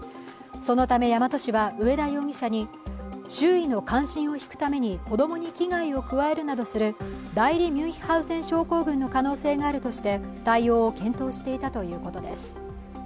そのため大和市は上田容疑者に周囲の関心を引くために子供に危害を加えるなどする代理ミュンヒハウゼン症候群の可能性があるとして対応を検討していたということです。